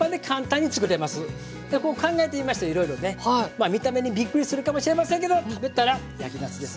まあ見た目にびっくりするかもしれませんけど食べたら焼きなすです。